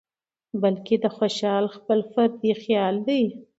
بلکې د خوشال خپل فردي خيال دى